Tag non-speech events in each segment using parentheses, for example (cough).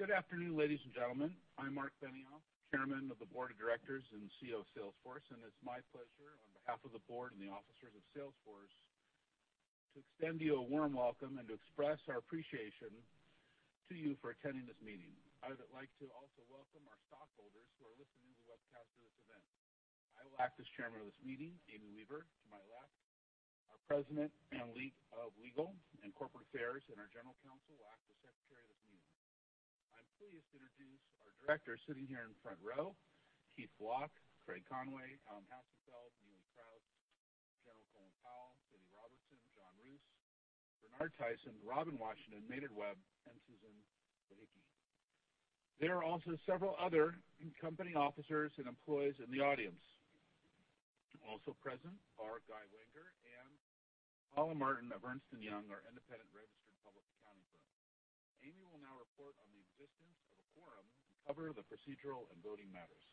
Good afternoon, ladies and gentlemen. I'm Marc Benioff, Chairman of the Board of Directors and CEO of Salesforce, and it's my pleasure, on behalf of the board and the officers of Salesforce, to extend you a warm welcome and to express our appreciation to you for attending this meeting. I would like to also welcome our stockholders who are listening to the webcast of this event. I will act as chairman of this meeting. Amy Weaver, to my left, our President of Legal and Corporate Affairs and our General Counsel, will act as Secretary of this meeting. I'm pleased to introduce our directors sitting here in the front row, Keith Block, Craig Conway, Alan Hassenfeld, Neelie Kroes, General Colin Powell, Sanford Robertson, John Roos, Bernard Tyson, Robin Washington, Maynard Webb, and Susan Wojcicki. There are also several other company officers and employees in the audience. Also present are Guy Wanger and Paula Martin of Ernst & Young, our independent registered public accounting firm. Amy will now report on the existence of a quorum and cover the procedural and voting matters.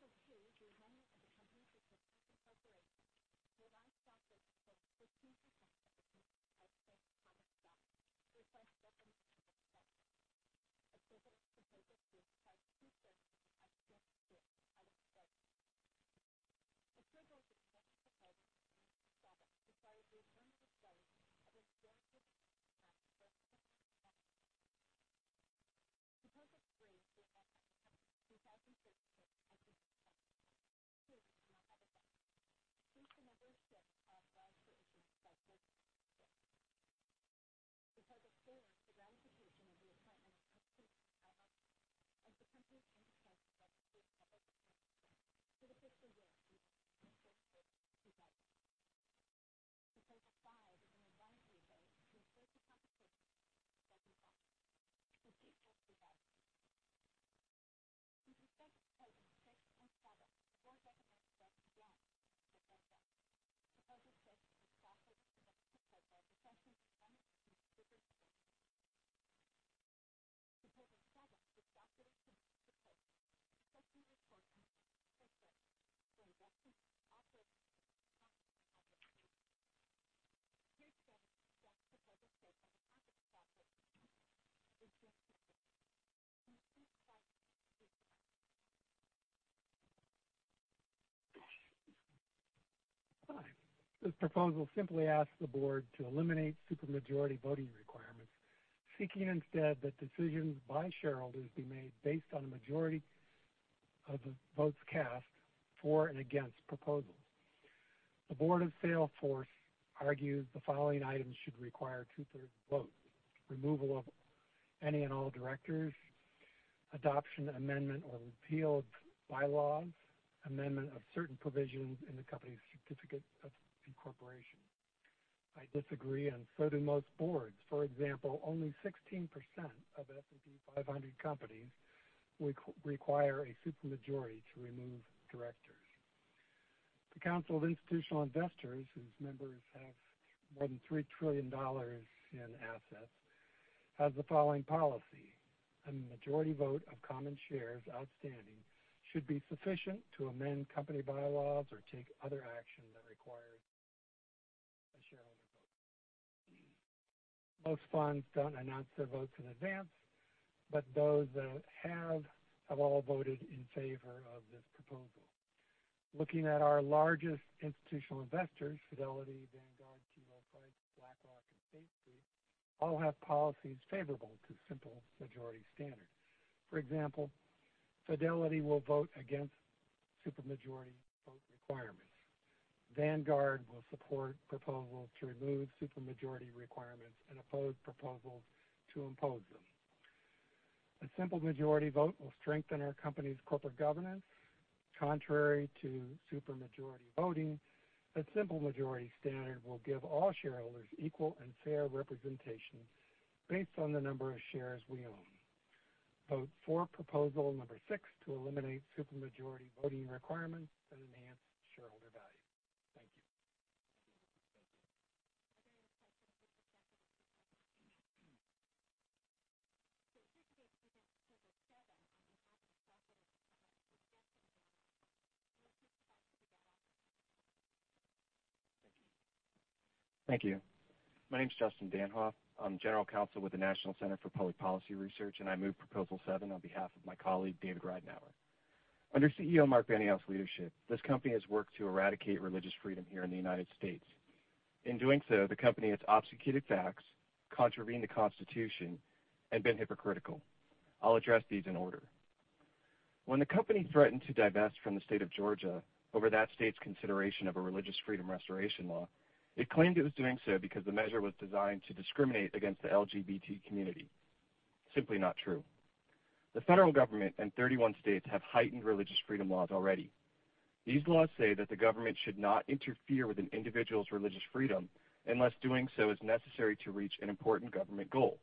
Thank you, Marc. At the outset, let me say that this meeting will be conducted in accordance with the agenda and rules as stated. Copies of these documents have been distributed to you. for and against proposals. The board of Salesforce argues the following items should require two-thirds vote: removal of any and all directors, adoption, amendment, or repeal of bylaws, amendment of certain provisions in the company's certificate of incorporation. I disagree, and so do most boards. For example, only 16% of S&P 500 companies require a supermajority to remove directors. The Council of Institutional Investors, whose members have more than $3 trillion in assets, has the following policy: "A majority vote of common shares outstanding should be sufficient to amend company bylaws or take other action that requires Most funds don't announce their votes in advance, but those that have all voted in favor of this proposal. Looking at our largest institutional investors, Fidelity, Vanguard, T. Rowe Price, BlackRock, and State Street, all have policies favorable to simple majority standard. For example, Fidelity will vote against supermajority vote requirements. Vanguard will support proposals to remove supermajority requirements and oppose proposals to impose them. A simple majority vote will strengthen our company's corporate governance. Contrary to supermajority voting, a simple majority standard will give all shareholders equal and fair representation based on the number of shares we own. Vote for proposal number 6 to eliminate supermajority voting requirements and enhance shareholder value. Thank you. Thank you. Are there any questions with respect to this proposal? To introduce proposal number 7 on behalf of the proposer of the proposal, Justin Danhof. Justin, back to the podium. Thank you. My name's Justin Danhof. I'm General Counsel with the National Center for Public Policy Research, and I move proposal 7 on behalf of my colleague, David Ridenour. Under CEO Marc Benioff's leadership, this company has worked to eradicate religious freedom here in the U.S. In doing so, the company has obfuscated facts, contravened the Constitution, and been hypocritical. I'll address these in order. When the company threatened to divest from the state of Georgia over that state's consideration of a Religious Freedom Restoration law, it claimed it was doing so because the measure was designed to discriminate against the LGBT community. Simply not true. The federal government and 31 states have heightened religious freedom laws already. These laws say that the government should not interfere with an individual's religious freedom unless doing so is necessary to reach an important government goal.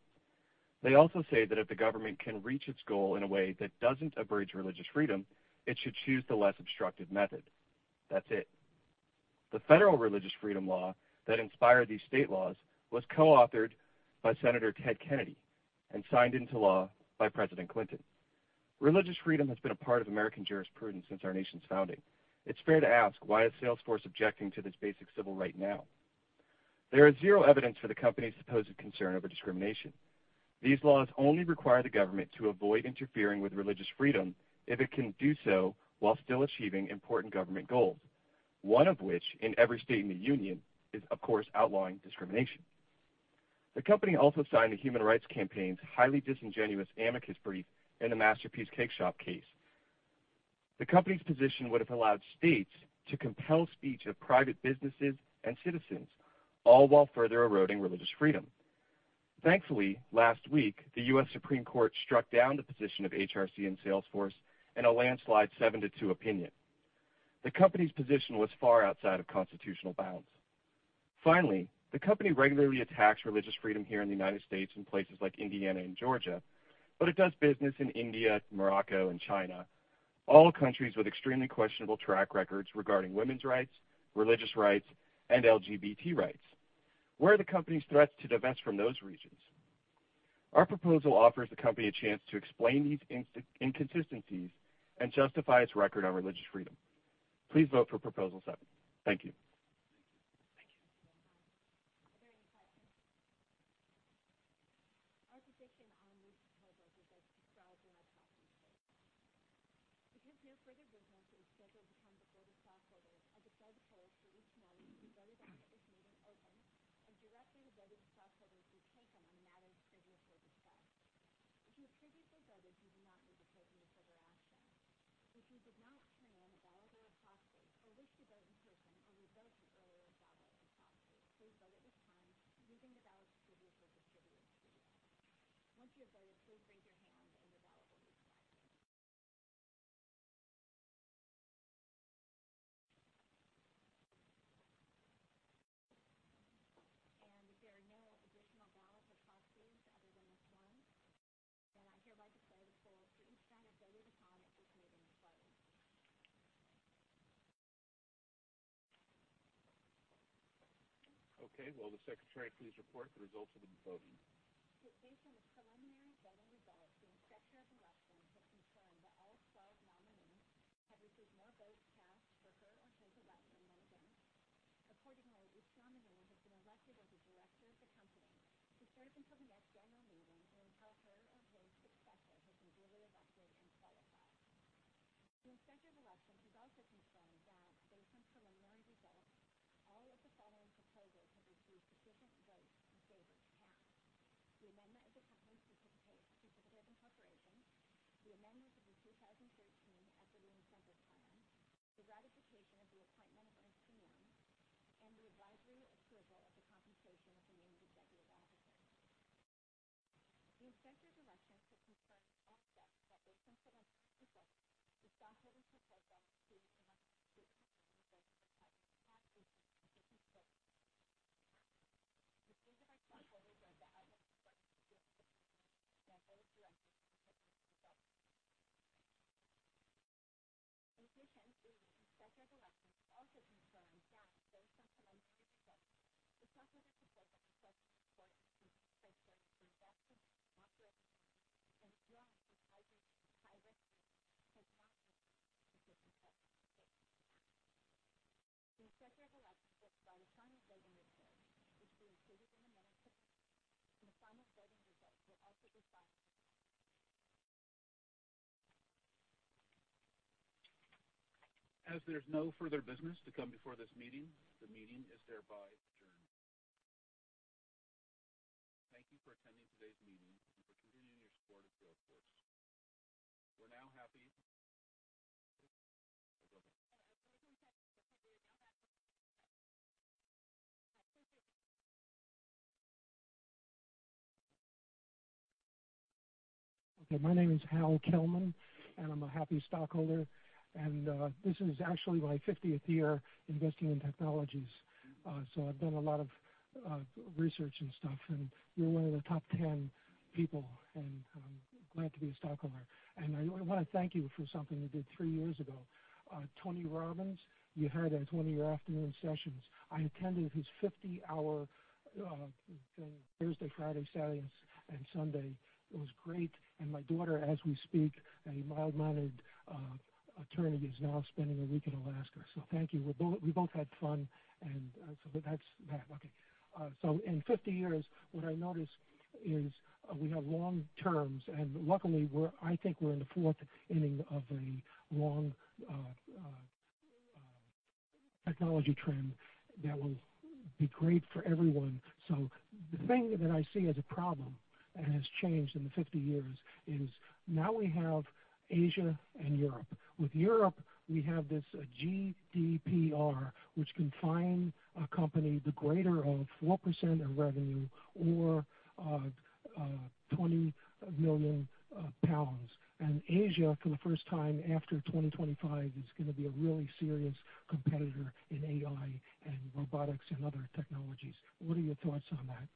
They also say that if the government can reach its goal in a way that doesn't abridge religious freedom, it should choose the less obstructive method. That's it. The federal Religious Freedom law that inspired these state laws was co-authored by Senator Ted Kennedy and signed into law by President Clinton. Religious freedom has been a part of American jurisprudence since our nation's founding. It's fair to ask, why is Salesforce objecting to this basic civil right now? There is zero evidence for the company's supposed concern over discrimination. These laws only require the government to avoid interfering with religious freedom if it can do so while still achieving important government goals, one of which, in every state in the union, is, of course, outlawing discrimination. The company also signed the Human Rights Campaign's highly disingenuous amicus brief in the Masterpiece Cakeshop case. The company's position would've allowed states to compel speech of private businesses and citizens, all while further eroding religious freedom. Thankfully, last week, the U.S. Supreme Court struck down the position of HRC and Salesforce in a landslide seven to two opinion. The company's position was far outside of constitutional bounds. Finally, the company regularly attacks religious freedom here in the U.S. in places like Indiana and Georgia, but it does business in India, Morocco, and China, all countries with extremely questionable track records regarding women's rights, religious rights, and LGBT rights. Where are the company's threats to divest from those regions? Our proposal offers the company a chance to explain these inconsistencies and justify its record on religious freedom. Please vote for proposal seven. Thank you. Thank you. Are there any questions? Our position on these proposals is as described in our proxy statement. We have no further business and it is therefore incumbent upon the stockholders at the said poll to reach (inaudible) this meeting opened, and directly to (inaudible) as the stockholders see fit on the matters previously discussed. If you have previously voted, you do not need to vote in this further action. If you did not turn in a ballot or a proxy, or wish to vote in person, or revoke your earlier ballot or proxy, please vote at this time using the ballots previously distributed to you. Once you have voted, please raise your hand, and your ballot will be collected. If there are no additional ballots or proxies other than this one, then I hereby declare the poll for each item voted upon at this meeting closed. Okay, will the Secretary please report the results of the voting. Based on the preliminary voting results, the Inspector of Elections has confirmed that all 12 nominees have received more votes cast for her or his election than against. Accordingly, each nominee has been elected as a director of the company to serve until the next annual meeting, or until her or his successor has been duly elected and qualified. The Inspector of Elections has also confirmed that based on preliminary results, all of the following proposals have received sufficient votes in favor to pass: the amendment of the company's certificate of incorporation, the amendment of the 2013 Equity Incentive Plan, the ratification of the appointment of Ernst & Young, and the advisory approval of the compensation of the named executive officers. The Inspector of Elections has confirmed also that based on preliminary results, the stockholders have voted to elect the following individuals as the directors of the company's board. The Inspector of Elections has also confirmed that based on preliminary results, the stockholders have voted to approve the following proposals. The (inaudible) will provide a sign-in voting results, which will be included in the minutes of the meeting. The sign-in voting results will also be signed. There's no further business to come before this meeting, the meeting is thereby adjourned. Thank you for attending today's meeting and for continuing your support of Salesforce. Okay. My name is Hal Kelman, and I'm a happy stockholder. This is actually my 50th year investing in technologies. I've done a lot of research and stuff, and you're one of the top 10 people, and I'm glad to be a stockholder. I want to thank you for something you did three years ago. Tony Robbins, you had him for one of your afternoon sessions. I attended his 50-hour Thursday, Friday, Saturday, and Sunday. It was great. My daughter, as we speak, a mild-mannered attorney, is now spending a week in Alaska. Thank you. We both had fun. That's that. Okay. In 50 years, what I noticed is we have long terms, and luckily, I think we're in the fourth inning of a long technology trend that will be great for everyone. The thing that I see as a problem and has changed in the 50 years is now we have Asia and Europe. With Europe, we have this GDPR, which can fine a company the greater of 4% of revenue or 20 million pounds. Asia, for the first time after 2025, is going to be a really serious competitor in AI and robotics and other technologies. What are your thoughts on that?